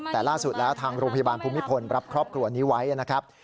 แต่ล่าสุดแล้วทางโรงพยาบาลภูมิพลรับครอบครัวนี้ไว้นะครับ